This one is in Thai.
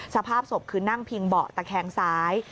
สภาพศพคือนั่งพิงเบาะตะแคงซ้าย